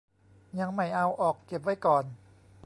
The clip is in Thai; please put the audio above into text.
ยังไม่เอาออก เก็บไว้ก่อน